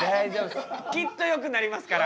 きっとよくなりますから。